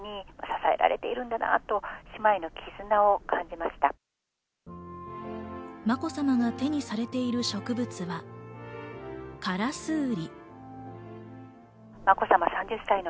まこさまが手にされている植物は、カラスウリ。